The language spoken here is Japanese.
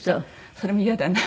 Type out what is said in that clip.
それもイヤだな。